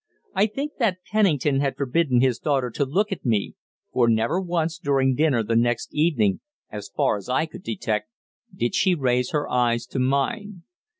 I think that Pennington had forbidden his daughter to look at me, for never once during dinner the next evening, as far as I could detect, did she raise her eyes to mine.